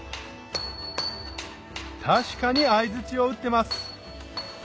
確かに相槌を打ってます